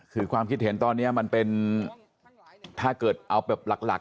คือความคิดเห็นตอนนี้มันเป็นถ้าเกิดเอาแบบหลัก